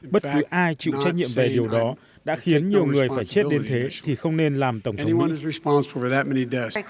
bất cứ ai chịu trách nhiệm về điều đó đã khiến nhiều người phải chết đến thế thì không nên làm tổng thống mỹ